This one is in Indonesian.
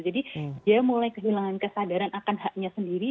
jadi dia mulai kehilangan kesadaran akan haknya sendiri